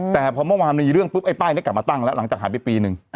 แต่พอเมื่อวานมีเรื่องปุ๊บไอ้ป้ายนี้กลับมาตั้งแล้วหลังจากหายไปปีหนึ่ง